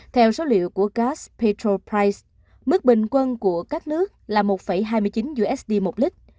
theo số liệu của gas petrol price mức bình quân của các nước là một hai mươi chín usd một lít